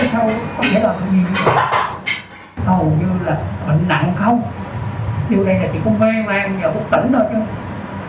hầu như là bệnh nặng không vô đây là chỉ có me mang vô đây là chỉ có tỉnh thôi